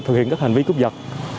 thực hiện các hành vi cướp giật